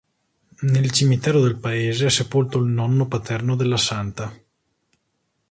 Nel cimitero del paese è sepolto il nonno paterno della santa.